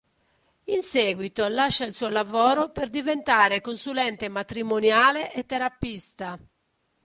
In seguito lascia il suo lavoro per diventare consulente matrimoniale e terapista.